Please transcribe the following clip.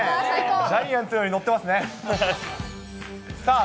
ジャイアンツのように乗ってますね。